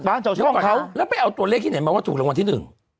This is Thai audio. บ้านเฉาช่องกับเขาแล้วไปเอาตัวเลขไหนมาว่าถูกรงวลที่หนึ่ง